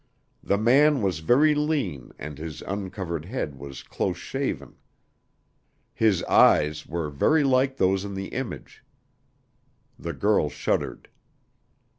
The man was very lean and his uncovered head was close shaven. His eyes were very like those in the image. The girl shuddered.